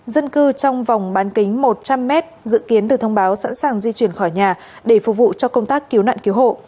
dân cư trong vòng bán kính một trăm linh m dự kiến được thông báo sẵn sàng di chuyển khỏi nhà để phục vụ cho công tác cứu nạn cứu hộ